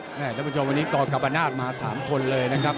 ท่านผู้ชมวันนี้กรกรรมนาศมา๓คนเลยนะครับ